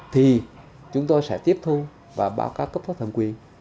thì chúng tôi sẽ tiếp thu và báo cáo cấp pháp thẩm quyền